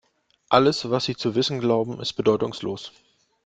Alles, was Sie zu wissen glauben, ist bedeutungslos.